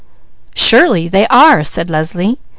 "Surely they are!" said Leslie.